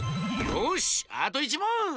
よしあと１もん！